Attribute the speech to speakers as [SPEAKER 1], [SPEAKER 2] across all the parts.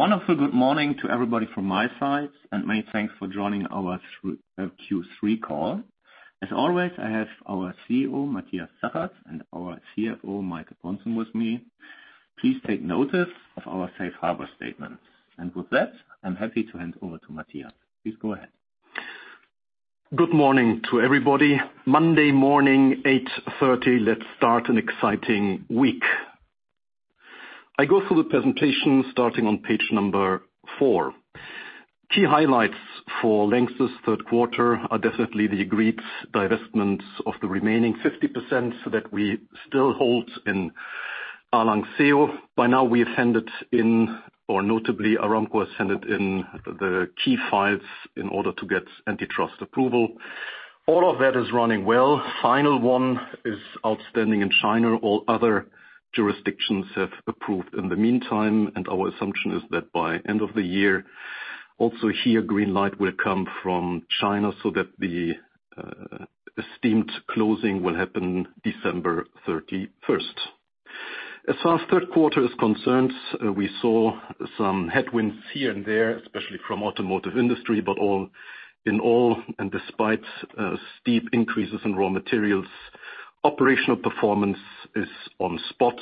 [SPEAKER 1] Wonderful good morning to everybody from my side, many thanks for joining our Q3 call. As always, I have our CEO, Matthias Zachert, and our CFO, Michael Pontzen, with me. Please take notice of our safe harbor statement. With that, I am happy to hand over to Matthias. Please go ahead.
[SPEAKER 2] Good morning to everybody. Monday morning, 8:30 A.M. Let's start an exciting week. I go through the presentation starting on page number four. Key highlights for LANXESS third quarter are definitely the agreed divestments of the remaining 50% that we still hold in ARLANXEO. By now, we have handed in, or notably, Aramco has handed in the key files in order to get antitrust approval. All of that is running well. Final one is outstanding in China. All other jurisdictions have approved in the meantime, our assumption is that by end of the year, also here, green light will come from China, so that the esteemed closing will happen December 31st. As far as third quarter is concerned, we saw some headwinds here and there, especially from automotive industry. In all, despite steep increases in raw materials, operational performance is on spot,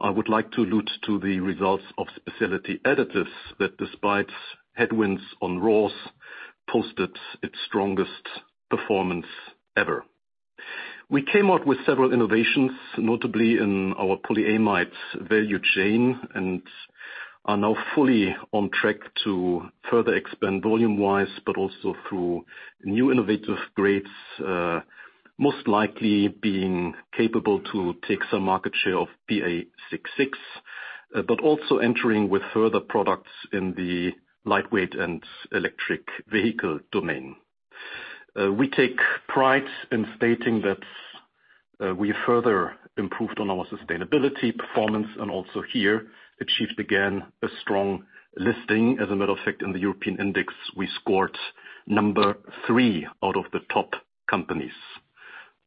[SPEAKER 2] I would like to allude to the results of Specialty Additives, that despite headwinds on raws, posted its strongest performance ever. We came out with several innovations, notably in our polyamides value chain, are now fully on track to further expand volume-wise, but also through new innovative grades, most likely being capable to take some market share of PA66, also entering with further products in the lightweight and electric vehicle domain. We take pride in stating that we further improved on our sustainability performance, also here, achieved again a strong listing. As a matter of fact, in the European index, we scored number three out of the top companies.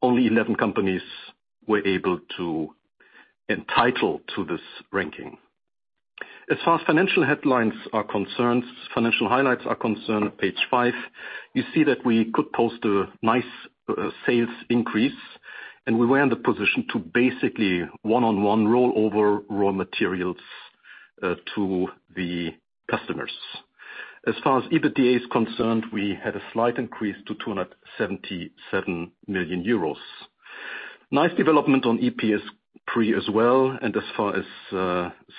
[SPEAKER 2] Only 11 companies were able to entitle to this ranking. As far as financial highlights are concerned, page five, you see that we could post a nice sales increase. We were in the position to basically one-on-one roll over raw materials to the customers. As far as EBITDA is concerned, we had a slight increase to 277 million euros. Nice development on EPS pre as well. As far as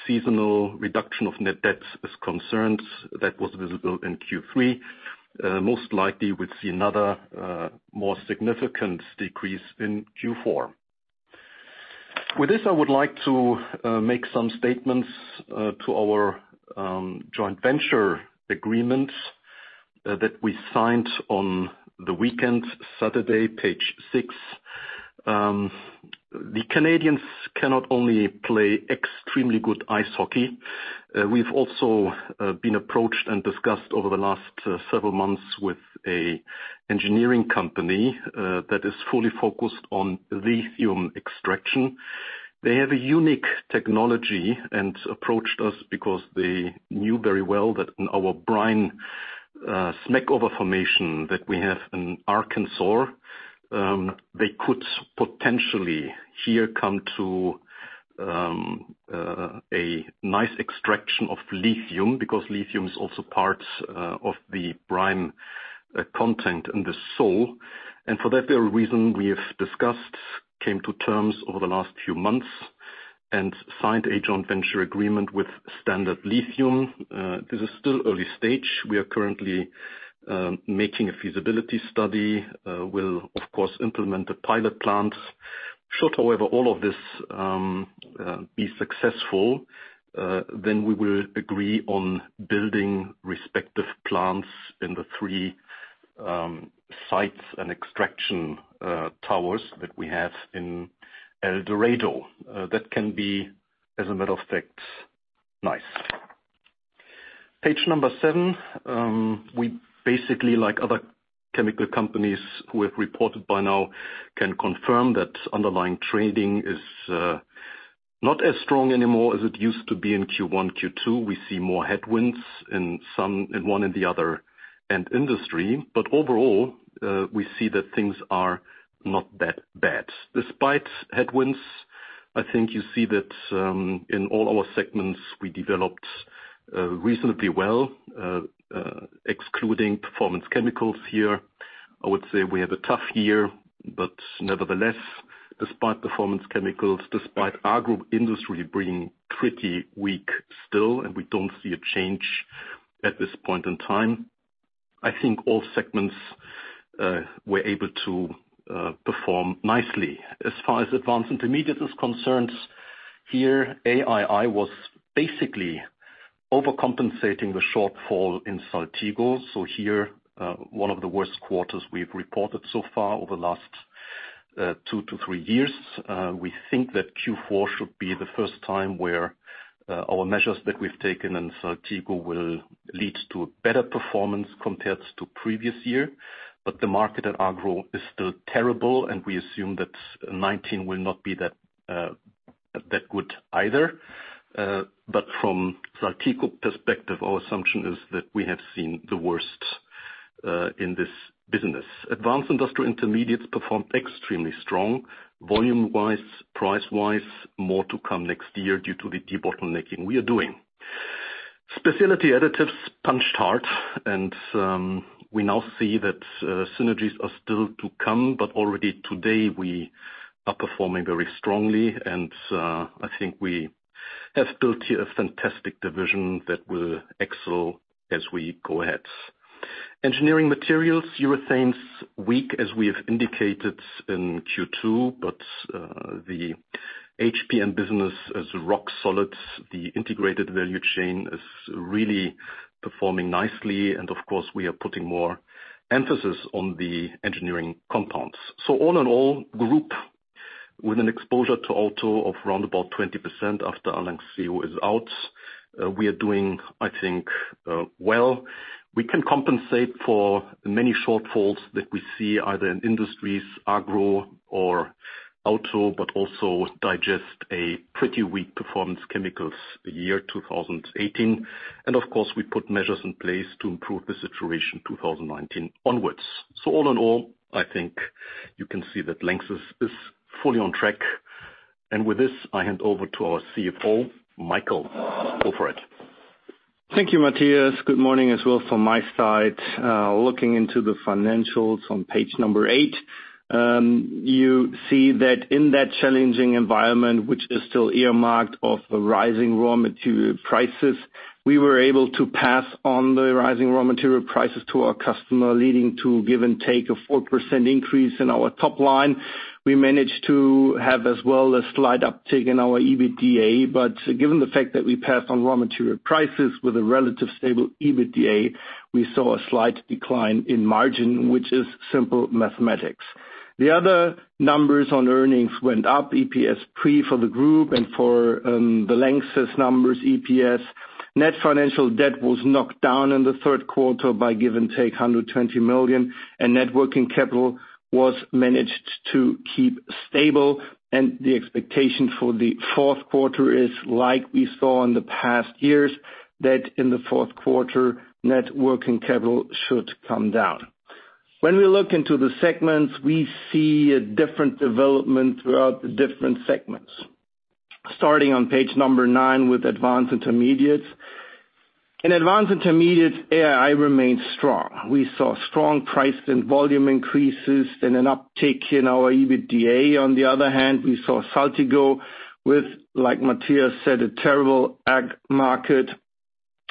[SPEAKER 2] seasonal reduction of net debt is concerned, that was visible in Q3. Most likely, we will see another, more significant decrease in Q4. With this, I would like to make some statements to our joint venture agreement that we signed on the weekend, Saturday, page six. The Canadians cannot only play extremely good ice hockey. We have also been approached and discussed over the last several months with a engineering company that is fully focused on lithium extraction. They have a unique technology and approached us because they knew very well that in our brine Smackover formation that we have in Arkansas, they could potentially here come to a nice extraction of lithium, because lithium is also part of the brine content in the soil. For that very reason, we have discussed, came to terms over the last few months and signed a joint venture agreement with Standard Lithium. This is still early stage. We are currently making a feasibility study. We'll, of course, implement a pilot plant. Should, however, all of this be successful, then we will agree on building respective plants in the three sites and extraction towers that we have in El Dorado. That can be, as a matter of fact, nice. Page number seven. We basically, like other chemical companies who have reported by now, can confirm that underlying trading is not as strong anymore as it used to be in Q1, Q2. We see more headwinds in one and the other end industry. Overall, we see that things are not that bad. Despite headwinds, I think you see that in all our segments, we developed reasonably well, excluding Performance Chemicals here. I would say we have a tough year. Nevertheless, despite Performance Chemicals, despite agro industry being pretty weak still, and we don't see a change at this point in time, I think all segments were able to perform nicely. As far as Advanced Intermediates is concerned, here, AII was basically overcompensating the shortfall in Saltigo. Here, one of the worst quarters we've reported so far over the last 2-3 years. We think that Q4 should be the first time where our measures that we've taken in Saltigo will lead to a better performance compared to previous year. The market at agro is still terrible, and we assume that 2019 will not be that good either. From Saltigo perspective, our assumption is that we have seen the worst in this business. Advanced Industrial Intermediates performed extremely strong volume-wise, price-wise. More to come next year due to the debottlenecking we are doing. Specialty Additives punched hard and we now see that synergies are still to come, but already today we are performing very strongly and I think we have built here a fantastic division that will excel as we go ahead. Engineering Materials, urethanes, weak as we have indicated in Q2, but the HPM business is rock solid. The integrated value chain is really performing nicely and of course we are putting more emphasis on the engineering compounds. All in all, group with an exposure to auto of around about 20% after ARLANXEO is out. We are doing, I think, well. We can compensate for many shortfalls that we see either in industries, agro or auto, but also digest a pretty weak Performance Chemicals year 2018. Of course we put measures in place to improve the situation 2019 onwards. All in all, I think you can see that LANXESS is fully on track. With this, I hand over to our CFO, Michael. Go for it.
[SPEAKER 3] Thank you, Matthias. Good morning as well from my side. Looking into the financials on page eight, you see that in that challenging environment, which is still earmarked of the rising raw material prices, we were able to pass on the rising raw material prices to our customer leading to give and take a 4% increase in our top line. We managed to have as well a slight uptick in our EBITDA, but given the fact that we passed on raw material prices with a relative stable EBITDA, we saw a slight decline in margin, which is simple mathematics. The other numbers on earnings went up, EPS pre for the group and for the LANXESS numbers EPS. Net financial debt was knocked down in the third quarter by give and take 120 million and net working capital was managed to keep stable and the expectation for the fourth quarter is like we saw in the past years, that in the fourth quarter, net working capital should come down. When we look into the segments, we see a different development throughout the different segments. Starting on page nine with Advanced Intermediates. In Advanced Intermediates, AII remains strong. We saw strong price and volume increases and an uptick in our EBITDA. On the other hand, we saw Saltigo with, like Matthias said, a terrible ag market,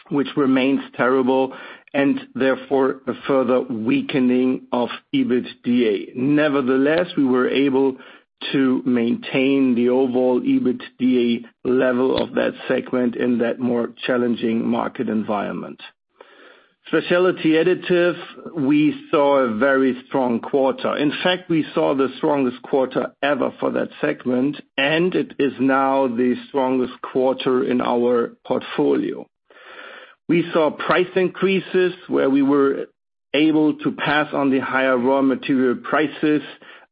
[SPEAKER 3] which remains terrible and therefore a further weakening of EBITDA. Nevertheless, we were able to maintain the overall EBITDA level of that segment in that more challenging market environment. Specialty Additives, we saw a very strong quarter. In fact, we saw the strongest quarter ever for that segment and it is now the strongest quarter in our portfolio. We saw price increases where we were able to pass on the higher raw material prices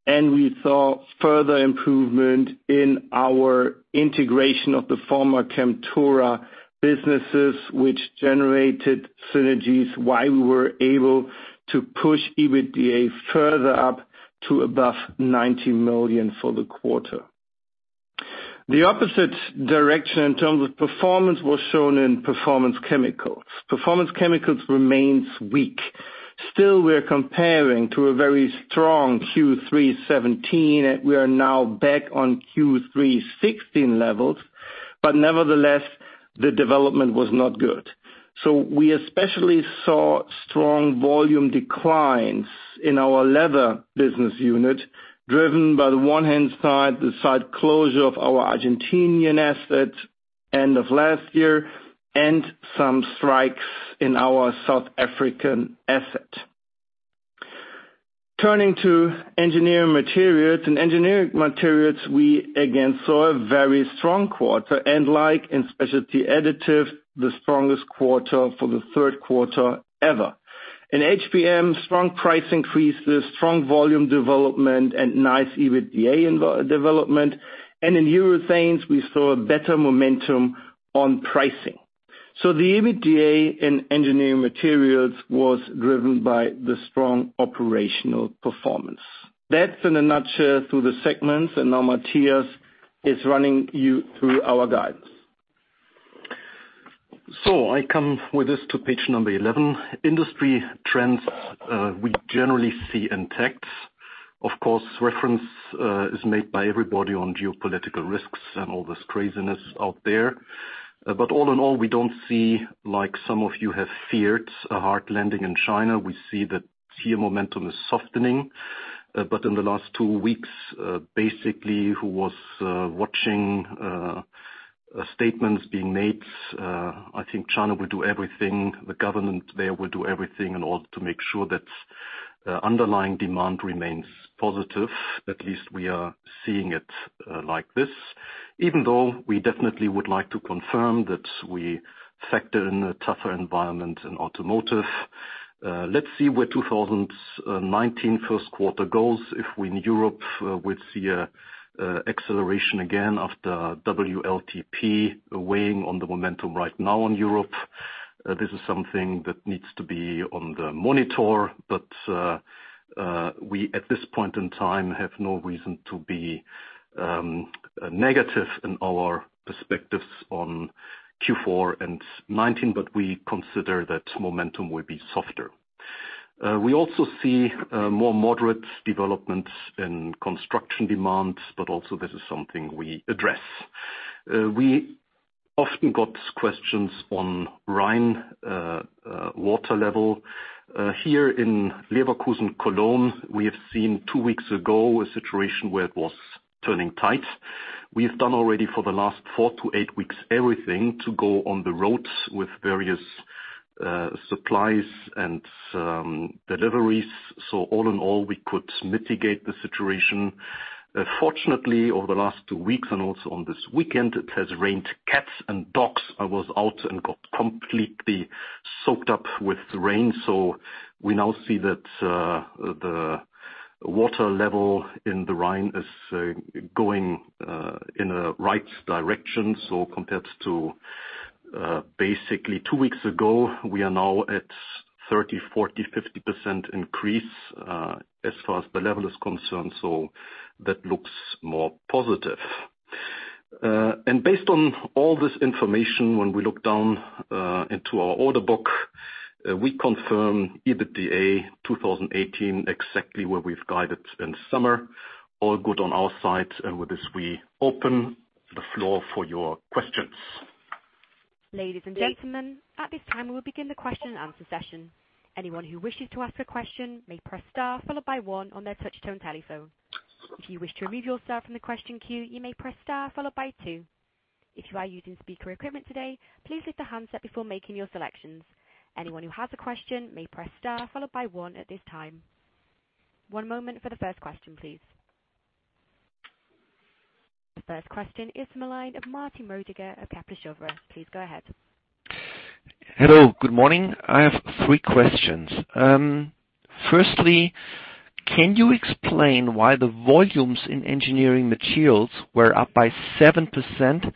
[SPEAKER 3] and we saw further improvement in our integration of the former Chemtura businesses which generated synergies while we were able to push EBITDA further up to above 90 million for the quarter. The opposite direction in terms of performance was shown in Performance Chemicals. Performance Chemicals remains weak. Still, we are comparing to a very strong Q3 2017 and we are now back on Q3 2016 levels. Nevertheless, the development was not good. We especially saw strong volume declines in our leather business unit driven by the one hand side, the side closure of our Argentinian asset end of last year and some strikes in our South African asset. Turning to Engineering Materials. In Engineering Materials, we again saw a very strong quarter and like in Specialty Additives, the strongest quarter for the third quarter ever. In HPM, strong price increases, strong volume development and nice EBITDA development. In urethanes, we saw better momentum on pricing. The EBITDA in Engineering Materials was driven by the strong operational performance. That's in a nutshell through the segments and now Matthias is running you through our guidance.
[SPEAKER 2] I come with this to page 11. Industry trends we generally see intact. Of course, reference is made by everybody on geopolitical risks and all this craziness out there. All in all, we don't see like some of you have feared a hard landing in China. We see that tier momentum is softening. In the last two weeks, basically who was watching statements being made, I think China will do everything, the government there will do everything in order to make sure that underlying demand remains positive. At least we are seeing it like this. Even though we definitely would like to confirm that we factor in a tougher environment in automotive. Let's see where 2019 first quarter goes. In Europe we see acceleration again of the WLTP weighing on the momentum right now on Europe. This is something that needs to be on the monitor, we, at this point in time, have no reason to be negative in our perspectives on Q4 and 2019, we consider that momentum will be softer. We also see more moderate developments in construction demands, also this is something we address. We often got questions on Rhine water level. Here in Leverkusen, Cologne, we have seen two weeks ago a situation where it was turning tight. We have done already for the last four to eight weeks, everything to go on the roads with various supplies and deliveries. All in all, we could mitigate the situation. Fortunately, over the last two weeks and also on this weekend, it has rained cats and dogs. I was out and got completely soaked up with the rain. We now see that the water level in the Rhine is going in a right direction. Compared to basically two weeks ago, we are now at 30%, 40%, 50% increase, as far as the level is concerned. That looks more positive. Based on all this information, when we look down into our order book, we confirm EBITDA 2018 exactly where we've guided in summer. All good on our side. With this, we open the floor for your questions.
[SPEAKER 4] Ladies and gentlemen, at this time, we'll begin the question and answer session. Anyone who wishes to ask a question may press star followed by one on their touch-tone telephone. If you wish to remove yourself from the question queue, you may press star followed by two. If you are using speaker equipment today, please hit the handset before making your selections. Anyone who has a question may press star followed by one at this time. One moment for the first question, please. The first question is the line of Martin Rödiger of Kepler Cheuvreux. Please go ahead.
[SPEAKER 5] Hello, good morning. I have three questions. Firstly, can you explain why the volumes in Engineering Materials were up by 7%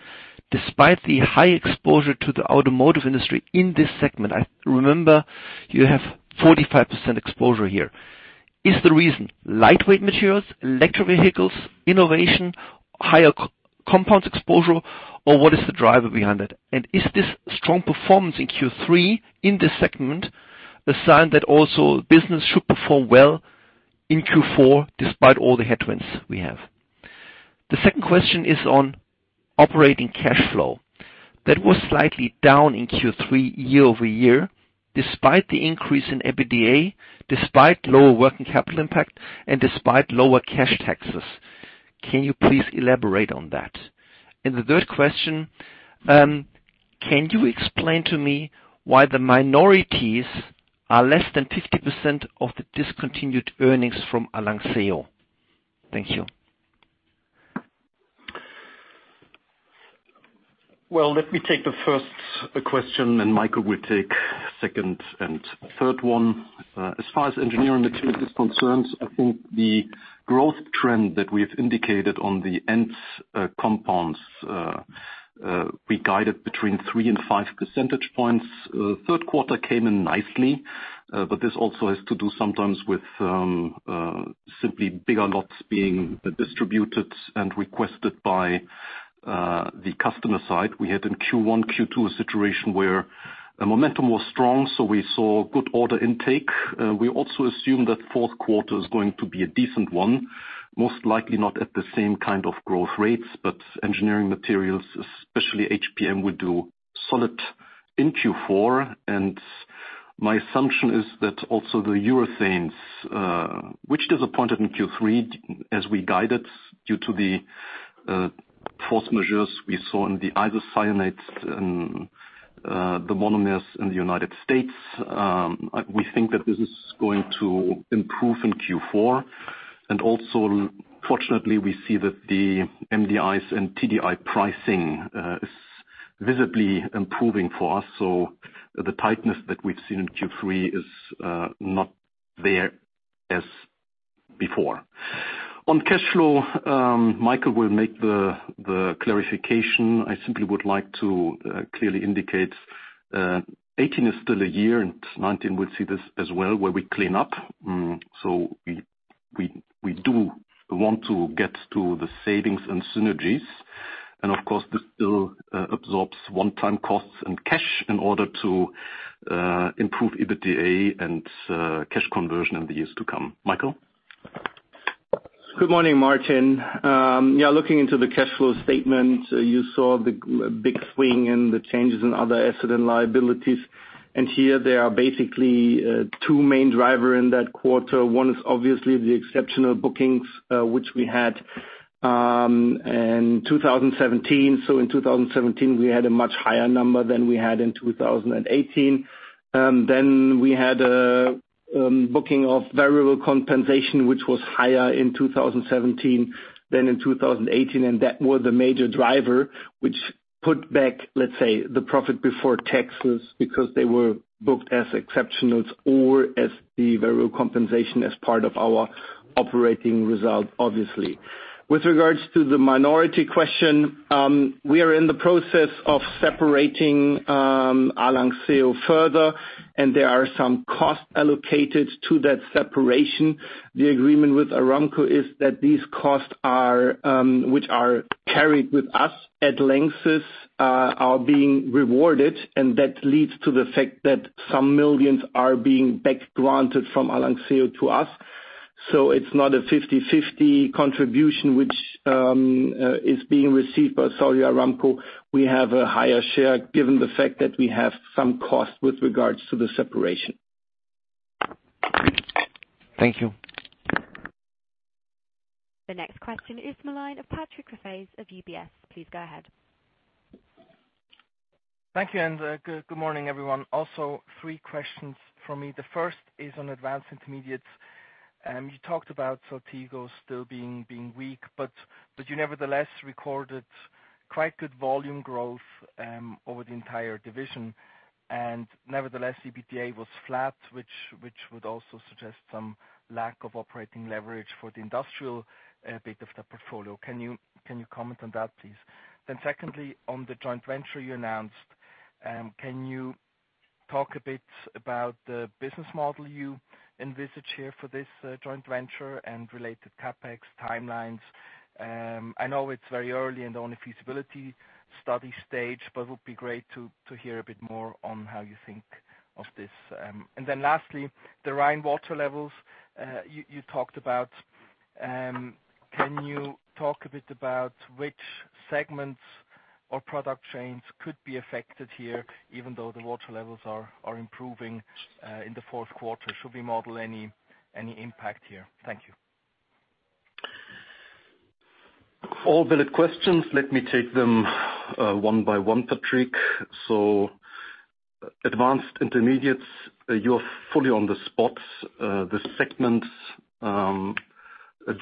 [SPEAKER 5] despite the high exposure to the automotive industry in this segment? I remember you have 45% exposure here. Is the reason lightweight materials, electric vehicles, innovation, higher compounds exposure, or what is the driver behind it? Is this strong performance in Q3 in this segment a sign that also business should perform well in Q4 despite all the headwinds we have? The second question is on operating cash flow. That was slightly down in Q3 year-over-year, despite the increase in EBITDA, despite lower working capital impact, and despite lower cash taxes. Can you please elaborate on that? The third question, can you explain to me why the minorities are less than 50% of the discontinued earnings from ARLANXEO? Thank you.
[SPEAKER 2] Well, let me take the first question, then Michael will take second and third one. As far as Engineering Materials is concerned, I think the growth trend that we have indicated on the end compounds, we guided between 3% and 5 percentage points. Third quarter came in nicely, this also has to do sometimes with simply bigger lots being distributed and requested by the customer side. We had in Q1, Q2, a situation where momentum was strong, we saw good order intake. We also assume that fourth quarter is going to be a decent one, most likely not at the same kind of growth rates. Engineering Materials, especially HPM, would do solid in Q4. My assumption is that also the urethanes, which disappointed in Q3 as we guided due to the force majeure we saw in the isocyanates and the monomers in the U.S. We think that this is going to improve in Q4. Also, fortunately, we see that the MDIs and TDI pricing is visibly improving for us. The tightness that we've seen in Q3 is not there as before. On cash flow, Michael will make the clarification. I simply would like to clearly indicate 2018 is still a year and 2019 will see this as well, where we clean up. We do want to get to the savings and synergies. Of course, this still absorbs one-time costs and cash in order to improve EBITDA and cash conversion in the years to come. Michael?
[SPEAKER 3] Good morning, Martin. Looking into the cash flow statement, you saw the big swing and the changes in other asset and liabilities. Here there are basically two main drivers in that quarter. One is obviously the exceptional bookings, which we had in 2017. In 2017, we had a much higher number than we had in 2018. We had a booking of variable compensation, which was higher in 2017 than in 2018. That was the major driver, which put back, let's say, the profit before taxes, because they were booked as exceptionals or as the variable compensation as part of our operating result, obviously. With regards to the minority question, we are in the process of separating ARLANXEO further. There are some costs allocated to that separation. The agreement with Aramco is that these costs, which are carried with us at LANXESS, are being rewarded, That leads to the fact that some millions are being back granted from ARLANXEO to us.
[SPEAKER 2] It's not a 50/50 contribution, which is being received by Saudi Aramco. We have a higher share given the fact that we have some cost with regards to the separation.
[SPEAKER 5] Thank you.
[SPEAKER 4] The next question is the line of Patrick Rafaisz of UBS. Please go ahead.
[SPEAKER 6] Thank you. Good morning, everyone. Also three questions from me. The first is on Advanced Intermediates. You talked about Saltigo still being weak, but you nevertheless recorded quite good volume growth over the entire division. Nevertheless, EBITDA was flat, which would also suggest some lack of operating leverage for the industrial bit of the portfolio. Can you comment on that, please? Secondly, on the joint venture you announced, can you talk a bit about the business model you envisage here for this joint venture and related CapEx timelines? I know it's very early in the only feasibility study stage, but it would be great to hear a bit more on how you think of this. Lastly, the Rhine water levels, you talked about. Can you talk a bit about which segments or product chains could be affected here, even though the water levels are improving in the fourth quarter? Should we model any impact here? Thank you.
[SPEAKER 2] All valid questions. Let me take them one by one, Patrick. Advanced Intermediates, you're fully on the spot. The segment did well. As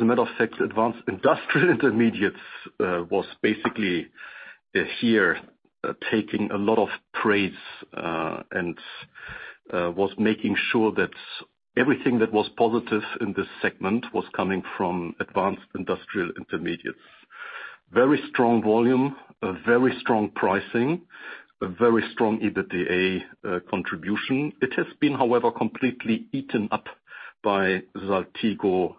[SPEAKER 2] a matter of fact, Advanced Industrial Intermediates was basically here taking a lot of praise, and was making sure that everything that was positive in this segment was coming from Advanced Industrial Intermediates. Very strong volume, very strong pricing, a very strong EBITDA contribution. It has been, however, completely eaten up by Saltigo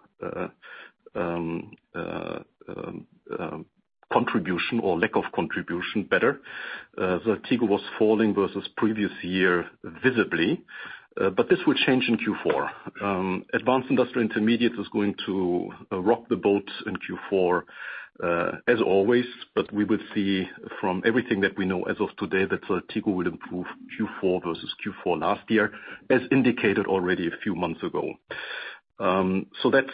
[SPEAKER 2] contribution or lack of contribution, better. Saltigo was falling versus previous year visibly, but this will change in Q4. Advanced Industrial Intermediates is going to rock the boat in Q4 as always, but we will see from everything that we know as of today that Saltigo will improve Q4 versus Q4 last year, as indicated already a few months ago. That's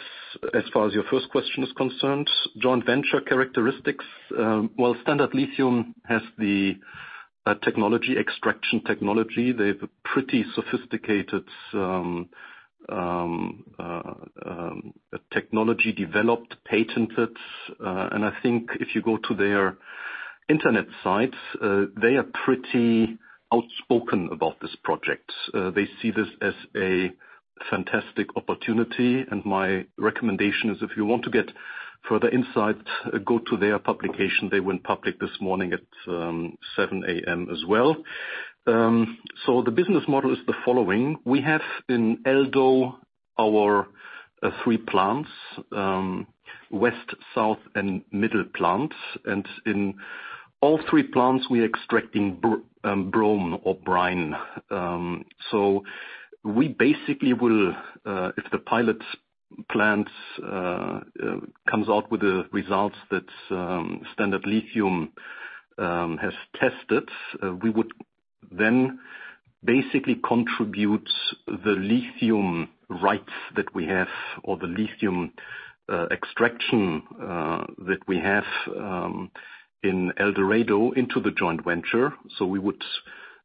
[SPEAKER 2] as far as your first question is concerned. Joint venture characteristics. Standard Lithium has the technology, extraction technology. They have a pretty sophisticated technology, developed, patented. I think if you go to their internet site, they are pretty outspoken about this project. They see this as a fantastic opportunity, and my recommendation is if you want to get further insight, go to their publication. They went public this morning at 7:00 A.M. as well. The business model is the following. We have in El Dorado our three plants, west, south, and middle plants, and in all three plants, we're extracting bromine or brine. We basically will, if the pilot plants comes out with the results that Standard Lithium has tested, we would then basically contribute the lithium rights that we have or the lithium extraction that we have in El Dorado into the joint venture. We would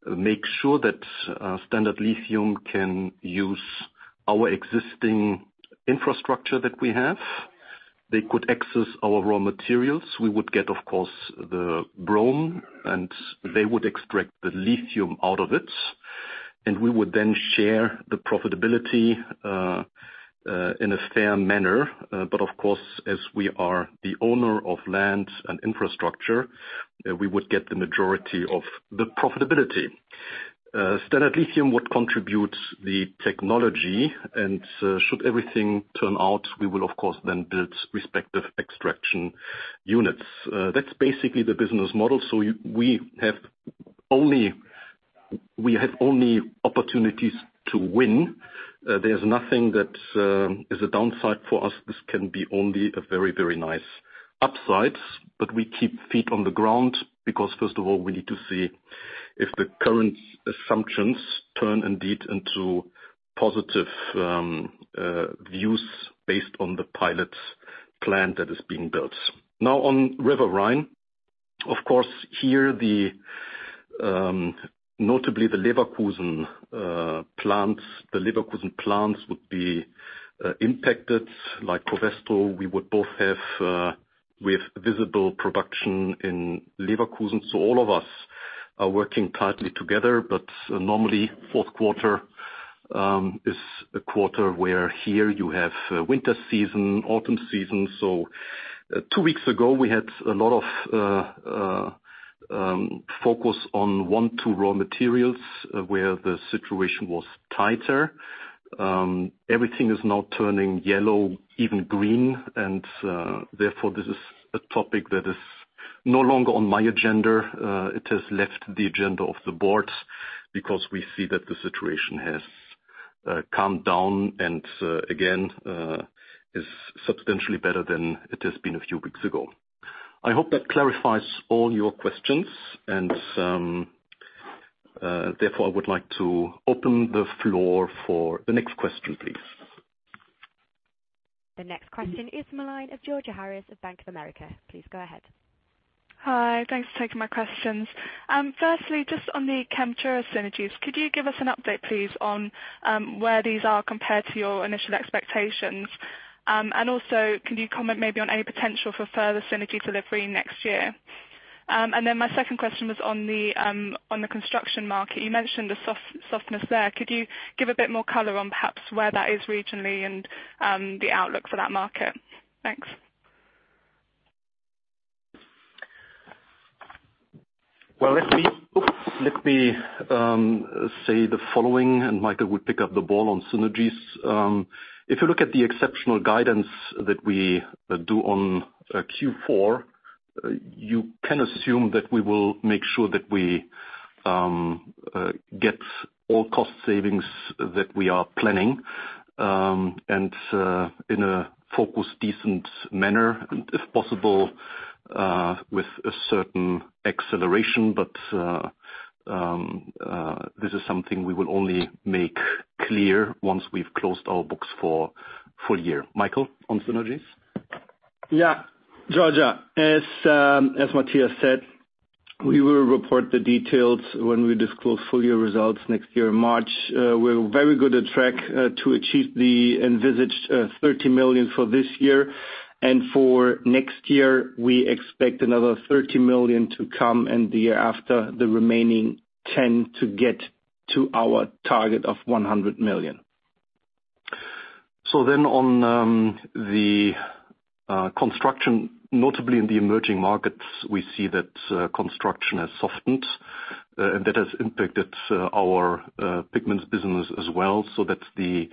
[SPEAKER 2] make sure that Standard Lithium can use our existing infrastructure that we have. They could access our raw materials. We would get, of course, the bromine, and they would extract the lithium out of it, and we would then share the profitability in a fair manner. Of course, as we are the owner of land and infrastructure, we would get the majority of the profitability. Standard Lithium would contribute the technology, and should everything turn out, we will of course then build respective extraction units. That's basically the business model. We have only opportunities to win. There's nothing that is a downside for us. This can be only a very nice upside, but we keep feet on the ground because first of all, we need to see if the current assumptions turn indeed into positive views based on the pilot plant that is being built. On River Rhine, of course, here notably the Leverkusen plants would be impacted like Covestro. We would both have with visible production in Leverkusen. All of us are working tightly together, but normally fourth quarter is a quarter where here you have winter season, autumn season. Two weeks ago, we had a lot of focus on one, two raw materials where the situation was tighter. Everything is now turning yellow, even green, and therefore this is a topic that is no longer on my agenda. It has left the agenda of the board. Because we see that the situation has calmed down, and again, is substantially better than it has been a few weeks ago. I hope that clarifies all your questions, therefore I would like to open the floor for the next question, please.
[SPEAKER 4] The next question is from the line of Georgina Iwamoto of Bank of America. Please go ahead.
[SPEAKER 7] Hi. Thanks for taking my questions. Firstly, just on the Chemtura synergies, could you give us an update, please, on where these are compared to your initial expectations? Also, can you comment maybe on any potential for further synergy delivery next year? Then my second question was on the construction market. You mentioned the softness there. Could you give a bit more color on perhaps where that is regionally and the outlook for that market? Thanks.
[SPEAKER 2] Well, let me say the following. Michael will pick up the ball on synergies. If you look at the exceptional guidance that we do on Q4, you can assume that we will make sure that we get all cost savings that we are planning, in a focused, decent manner, if possible, with a certain acceleration. This is something we will only make clear once we've closed our books for full year. Michael, on synergies?
[SPEAKER 3] Yeah. Georgina, as Matthias said, we will report the details when we disclose full year results next year in March. We're very good at track to achieve the envisaged 30 million for this year. For next year, we expect another 30 million to come, and the year after, the remaining 10 million to get to our target of 100 million.
[SPEAKER 2] On the construction, notably in the emerging markets, we see that construction has softened. That has impacted our pigments business as well. That's the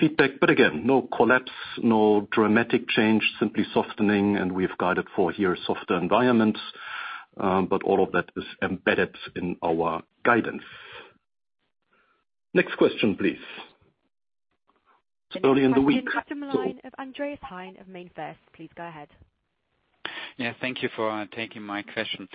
[SPEAKER 2] feedback. Again, no collapse, no dramatic change, simply softening. We've guided for here a softer environment. All of that is embedded in our guidance. Next question, please. It's early in the week.
[SPEAKER 4] Next question comes from the line of Andreas Heine of MainFirst. Please go ahead.
[SPEAKER 8] Thank you for taking my question.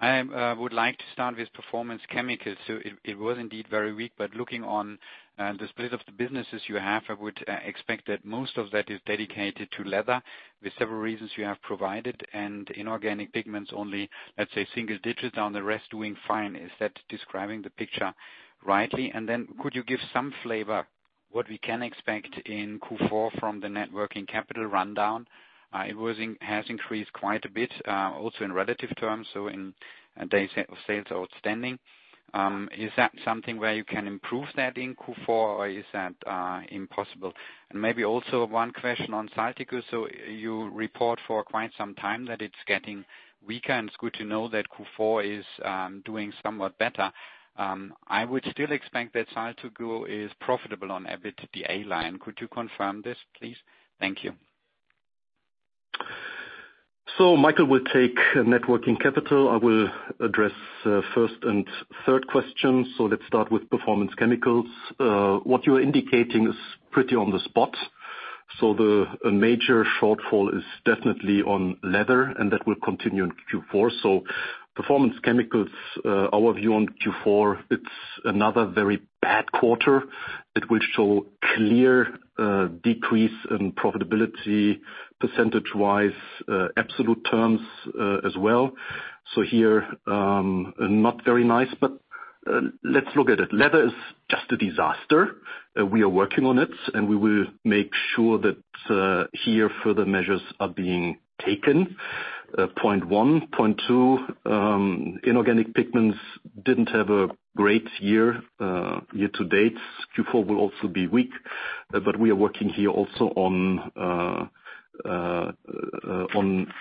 [SPEAKER 8] I would like to start with Performance Chemicals. It was indeed very weak, but looking on the split of the businesses you have, I would expect that most of that is dedicated to leather with several reasons you have provided, and inorganic pigments only, let's say single digits, and the rest doing fine. Is that describing the picture rightly? Could you give some flavor what we can expect in Q4 from the net working capital rundown? It has increased quite a bit, also in relative terms, so in days of sales outstanding. Is that something where you can improve that in Q4, or is that impossible? Maybe also one question on Saltigo. You report for quite some time that it's getting weaker, and it's good to know that Q4 is doing somewhat better. I would still expect that Saltigo is profitable on EBITDA line. Could you confirm this, please? Thank you.
[SPEAKER 2] Michael will take networking capital. I will address first and third question. Let's start with Performance Chemicals. What you're indicating is pretty on the spot. The major shortfall is definitely on leather, and that will continue in Q4. Performance Chemicals, our view on Q4, it's another very bad quarter. It will show clear decrease in profitability percentage-wise, absolute terms as well. Here, not very nice, but let's look at it. Leather is just a disaster. We are working on it, and we will make sure that here, further measures are being taken. Point one. Point two, inorganic pigments didn't have a great year year-to-date. Q4 will also be weak, but we are working here also on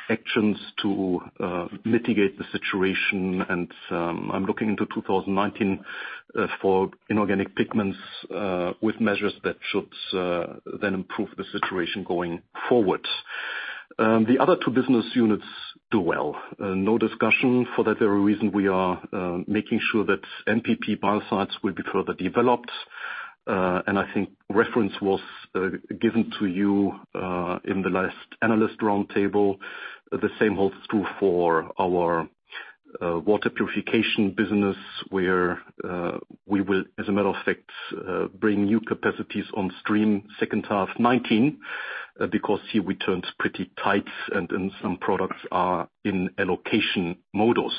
[SPEAKER 2] actions to mitigate the situation, and I'm looking into 2019 for inorganic pigments with measures that should then improve the situation going forward. The other two business units do well. No discussion. For that very reason, we are making sure that MPP biocides will be further developed. I think reference was given to you in the last analyst roundtable. The same holds true for our water purification business, where we will, as a matter of fact, bring new capacities on stream second half 2019, because here we turned pretty tight and some products are in allocation modus.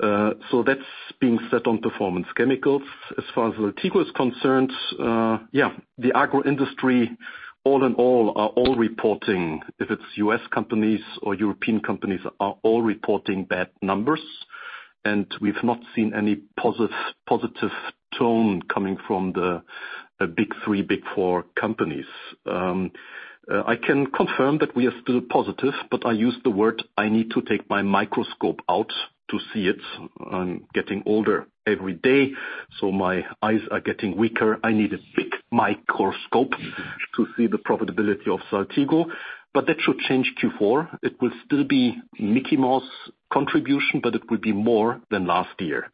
[SPEAKER 2] That's being said on Performance Chemicals. As far as Saltigo is concerned, the agro industry, all in all, are all reporting, if it's U.S. companies or European companies, are all reporting bad numbers. We've not seen any positive tone coming from the big three, big four companies. I can confirm that we are still positive, but I use the word I need to take my microscope out to see it. I am getting older every day, so my eyes are getting weaker. I need a big microscope to see the profitability of Saltigo. That should change Q4. It will still be Mickey Mouse contribution, but it will be more than last year.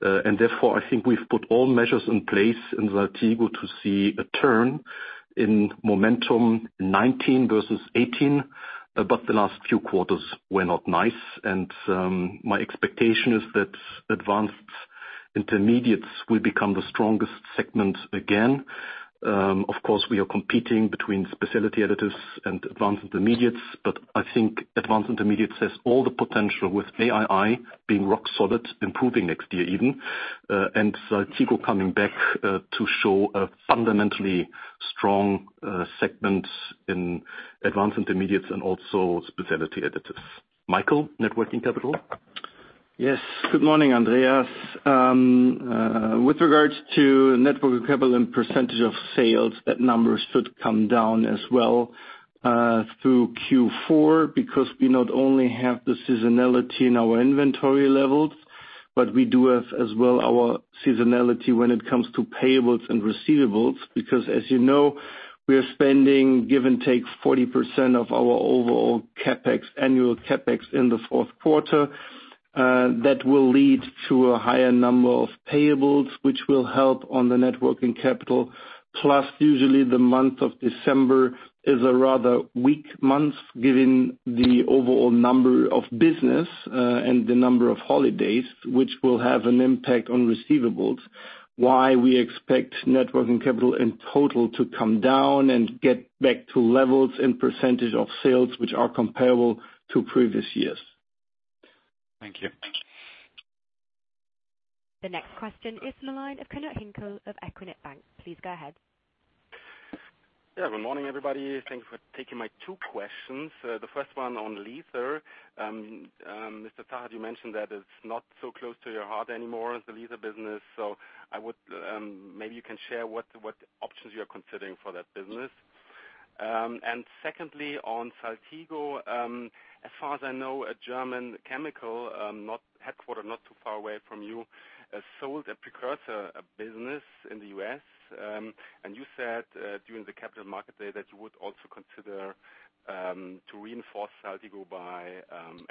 [SPEAKER 2] Therefore, I think we have put all measures in place in Saltigo to see a turn in momentum in 2019 versus 2018. But the last few quarters were not nice, and my expectation is that Advanced Intermediates will become the strongest segment again. Of course, we are competing between Specialty Additives and Advanced Intermediates, but I think Advanced Intermediates has all the potential with AII being rock solid, improving next year even, and Saltigo coming back to show a fundamentally strong segment in Advanced Intermediates and also Specialty Additives. Michael, Net Working Capital?
[SPEAKER 3] Yes. Good morning, Andreas. With regards to Net Working Capital and percentage of sales, that number should come down as well, through Q4, because we not only have the seasonality in our inventory levels, but we do have as well our seasonality when it comes to payables and receivables. Because as you know, we are spending give and take 40% of our overall annual CapEx in the fourth quarter. That will lead to a higher number of payables, which will help on the Net Working Capital. Plus usually the month of December is a rather weak month given the overall number of business, and the number of holidays, which will have an impact on receivables. We expect Net Working Capital in total to come down and get back to levels and percentage of sales, which are comparable to previous years.
[SPEAKER 2] Thank you.
[SPEAKER 4] The next question is the line of Knud Hinkel of Equinet Bank. Please go ahead.
[SPEAKER 9] Yeah. Good morning, everybody. Thank you for taking my two questions. The first one on leather. Mr. Zachert, you mentioned that it's not so close to your heart anymore, the leather business. Maybe you can share what options you are considering for that business. Secondly, on Saltigo, as far as I know, a German chemical, headquarter not too far away from you, sold a precursor, a business in the U.S. You said, during the capital market day that you would also consider to reinforce Saltigo by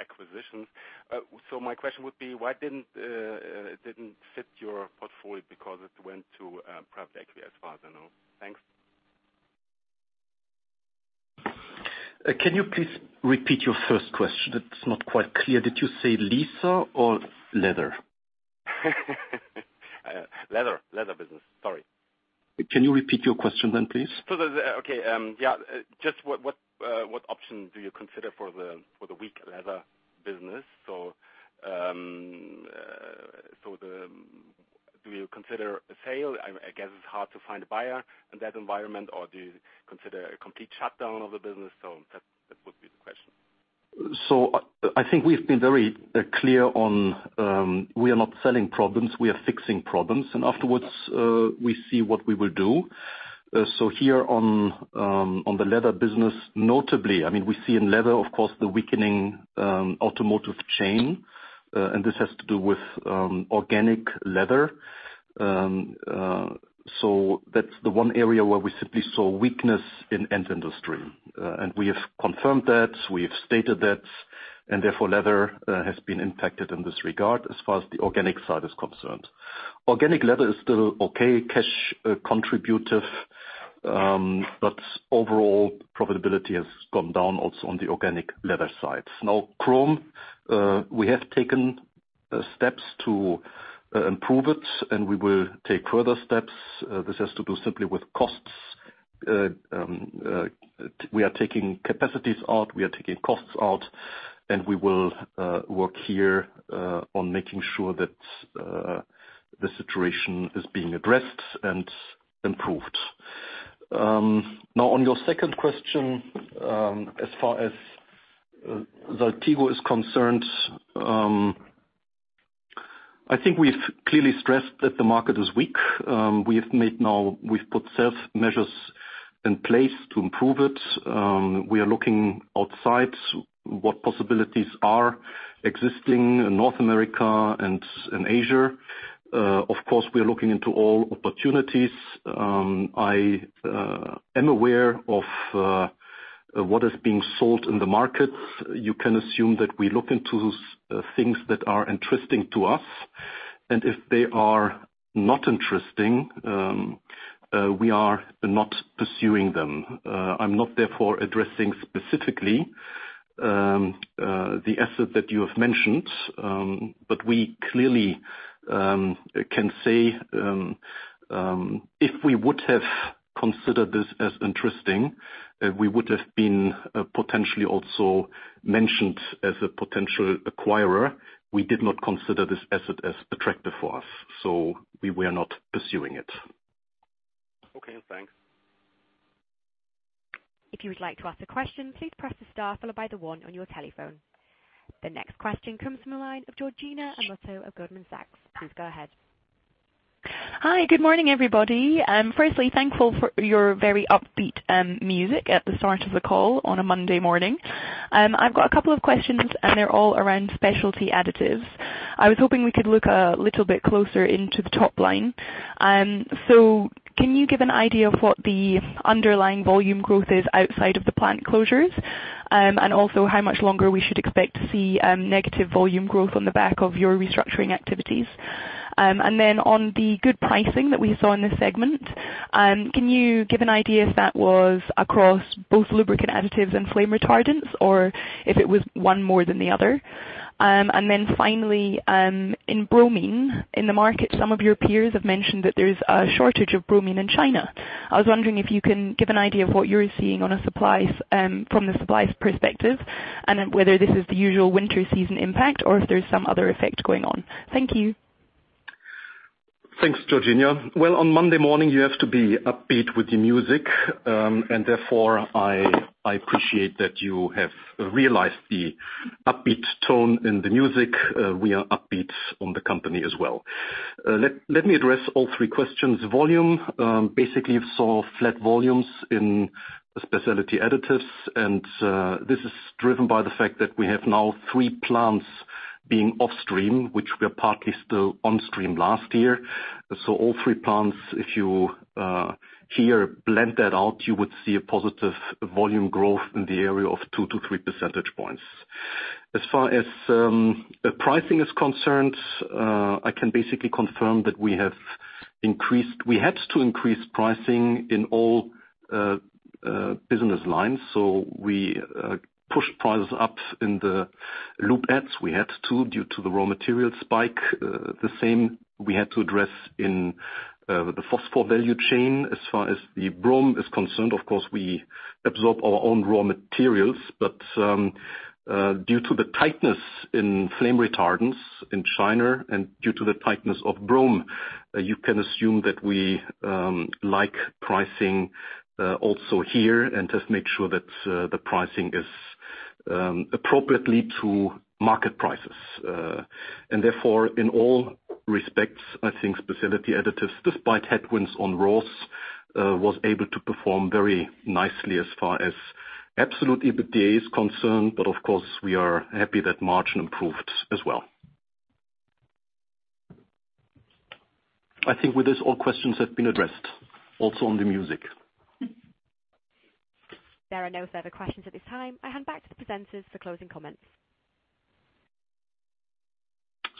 [SPEAKER 9] acquisitions. My question would be, why it didn't fit your portfolio because it went to private equity as far as I know. Thanks.
[SPEAKER 2] Can you please repeat your first question? It's not quite clear. Did you say Lisa or leather?
[SPEAKER 9] Leather business. Sorry.
[SPEAKER 2] Can you repeat your question then, please?
[SPEAKER 9] Okay. Yeah. Just what option do you consider for the weak leather business? Do you consider a sale? I guess it's hard to find a buyer in that environment. Or do you consider a complete shutdown of the business? That would be the question.
[SPEAKER 2] I think we've been very clear on, we are not selling problems. We are fixing problems and afterwards, we see what we will do. Here on the leather business, notably, we see in leather, of course, the weakening automotive chain. This has to do with organic leather. That's the one area where we simply saw weakness in end industry. We have confirmed that, we have stated that, and therefore leather has been impacted in this regard as far as the organic side is concerned. Organic leather is still okay, cash contributive, but overall profitability has gone down also on the organic leather side. Chrome, we have taken steps to improve it and we will take further steps. This has to do simply with costs. We are taking capacities out, we are taking costs out, and we will work here on making sure that the situation is being addressed and improved. On your second question, as far as Saltigo is concerned, I think we've clearly stressed that the market is weak. We've put self measures in place to improve it. We are looking outside what possibilities are existing in North America and in Asia. Of course, we are looking into all opportunities. I am aware of what is being sold in the markets. You can assume that we look into things that are interesting to us, and if they are not interesting, we are not pursuing them. I'm not therefore addressing specifically the asset that you have mentioned. We clearly can say, if we would have considered this as interesting, we would have been potentially also mentioned as a potential acquirer. We did not consider this asset as attractive for us, so we were not pursuing it.
[SPEAKER 9] Okay, thanks.
[SPEAKER 4] If you would like to ask a question, please press the star followed by the one on your telephone. The next question comes from the line of Georgina Iwamoto of Goldman Sachs. Please go ahead.
[SPEAKER 10] Hi, good morning, everybody. Firstly, thankful for your very upbeat music at the start of the call on a Monday morning. I've got a couple of questions and they're all around Specialty Additives. I was hoping we could look a little bit closer into the top line. Can you give an idea of what the underlying volume growth is outside of the plant closures? Also, how much longer we should expect to see negative volume growth on the back of your restructuring activities? On the good pricing that we saw in this segment, can you give an idea if that was across both lubricant additives and flame retardants, or if it was one more than the other? Finally, in bromine, in the market, some of your peers have mentioned that there's a shortage of bromine in China. I was wondering if you can give an idea of what you're seeing from the supplies perspective, and whether this is the usual winter season impact or if there's some other effect going on. Thank you.
[SPEAKER 2] Thanks, Georgina. Well, on Monday morning, you have to be upbeat with the music, therefore I appreciate that you have realized the upbeat tone in the music. We are upbeat on the company as well. Let me address all three questions. Volume. Basically you saw flat volumes in Specialty Additives, and this is driven by the fact that we have now three plants being off stream, which were partly still on stream last year. All three plants, if you here blend that out, you would see a positive volume growth in the area of two to three percentage points. As far as pricing is concerned, I can basically confirm that we had to increase pricing in all business lines. We pushed prices up in the lube additives. We had to due to the raw material spike. The same we had to address in the phosphor value chain. As far as the bromine is concerned, of course, we absorb our own raw materials, but due to the tightness in flame retardants in China and due to the tightness of bromine, you can assume that we like pricing also here and just make sure that the pricing is appropriately to market prices. Therefore, in all respects, I think Specialty Additives, despite headwinds on raws, was able to perform very nicely as far as absolute EBITDA is concerned. But of course we are happy that margin improved as well. I think with this, all questions have been addressed, also on the music.
[SPEAKER 4] There are no further questions at this time. I hand back to the presenters for closing comments.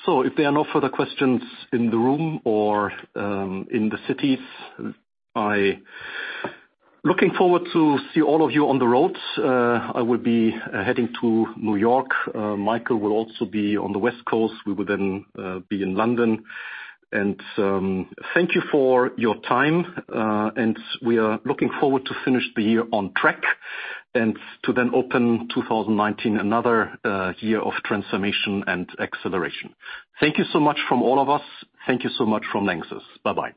[SPEAKER 2] If there are no further questions in the room or in the cities, I am looking forward to see all of you on the roads. I will be heading to New York. Michael will also be on the West Coast. We will then be in London. Thank you for your time. We are looking forward to finish the year on track and to then open 2019 another year of transformation and acceleration. Thank you so much from all of us. Thank you so much from LANXESS. Bye-bye.